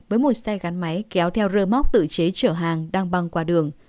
với một xe gắn máy kéo theo rơ móc tự chế chở hàng đang băng qua đường